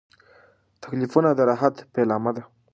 تکلیفونه د راحت پیلامه ده.